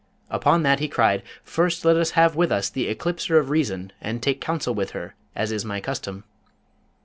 Upon that he cried, 'First let us have with us the Eclipser of Reason, and take counsel with her, as is my custom.'